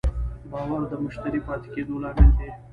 باور د مشتری پاتې کېدو لامل دی.